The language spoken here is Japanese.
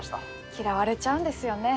嫌われちゃうんですよね。